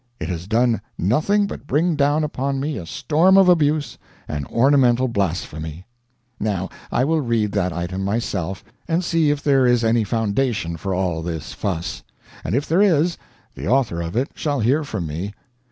It has done nothing but bring down upon me a storm of abuse and ornamental blasphemy. Now I will read that item myself, and see if there is any foundation for all this fuss. And if there is, the author of it shall hear from me.